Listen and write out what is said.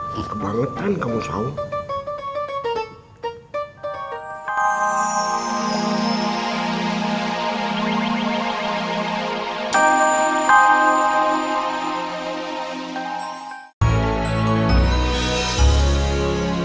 gila kebangetan kamu saul